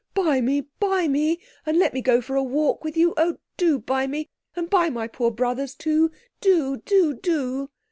buy me! buy me! and let me go for a walk with you; oh, do buy me, and buy my poor brothers too! Do! do! do!"